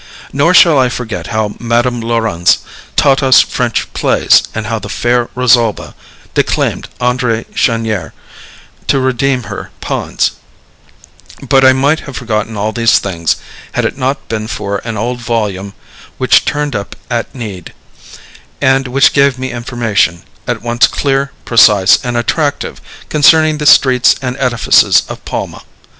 Nor shall I forget how Madame Laurens taught us French plays, and how the fair Rosalba declaimed André Chénier to redeem her pawns; but I might have forgotten all these things, had it not been for an old volume[A] which turned up at need, and which gave me information, at once clear, precise, and attractive, concerning the streets and edifices of Palma.